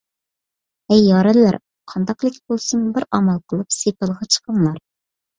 ھەي يارەنلەر! قانداقلىكى بولسۇن بىر ئامال قىلىپ سېپىلغا چىقىڭلار.